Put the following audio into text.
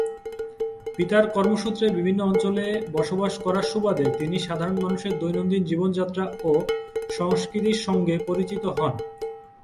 পিতার কর্মসূত্রে বিভিন্ন অঞ্চলে বসবাস করার সুবাদে তিনি সাধারণ মানুষের দৈনন্দিন জীবনযাত্রা ও সংস্কৃতির সঙ্গে পরিচিত হন।